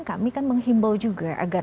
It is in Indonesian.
kami menghimbau juga agar